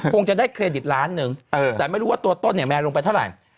คงจะได้เครดิตล้านหนึ่งแต่ไม่รู้ว่าตัวต้นเนี่ยแนนลงไปเท่าไหร่